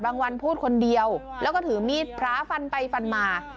วันพูดคนเดียวแล้วก็ถือมีดพระฟันไปฟันมา